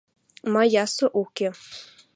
Ма ясы уке.